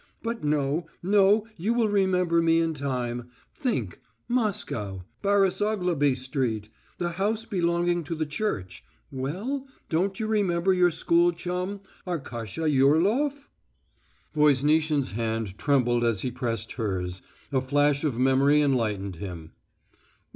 But no, no, you will remember me in time.... Think: Moscow, Borisoglebsky Street, the house belonging to the church.... Well? Don't you remember your school chum, Arkasha Yurlof...?" Voznitsin's hand trembled as he pressed hers. A flash of memory enlightened him.